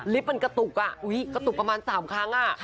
ลิฟต์มันกระตุกอ่ะกระตุกประมาณ๓ครั้งอ่ะ